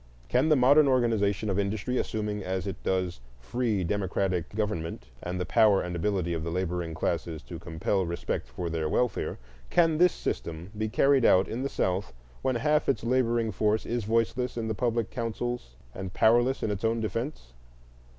Can the modern organization of industry, assuming as it does free democratic government and the power and ability of the laboring classes to compel respect for their welfare,—can this system be carried out in the South when half its laboring force is voiceless in the public councils and powerless in its own defence?